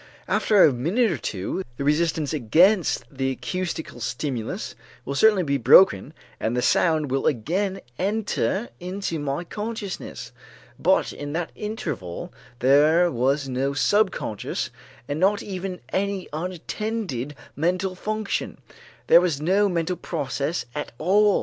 After a minute or two, the resistance against the acoustical stimulus will certainly be broken and the sound will again enter into my consciousness, but in that interval there was no subconscious and not even any unattended mental function; there was no mental process at all.